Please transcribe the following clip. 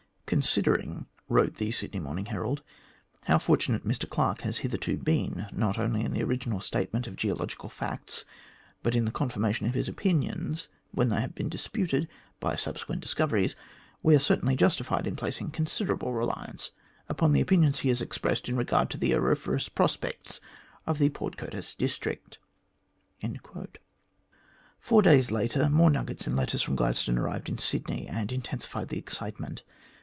"Considering," wrote the Sydney Morning Herald, "how fortunate Mr Clarke has hitherto been, not only in the original statement of geological facts, but in the confirmation of his opinions,, when they have been disputed, by subsequent discoveries, we are certainly justified in placing considerable reliance upon the opinions he has expressed in regard to the auriferous prospects of the Port Curtis district." Four days later, more nuggets and letters from Gladstone arrived in Sydney, and intensified the excitement.